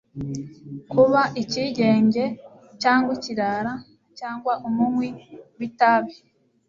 kuba icyigenge cyangwa ikirara cyangwa umunywi witabi